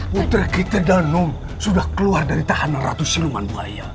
putri kita danung sudah keluar dari tahanan ratu siluman bahaya